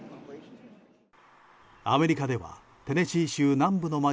アメリカではテネシー州南部の街